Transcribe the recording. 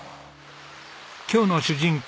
今日の主人公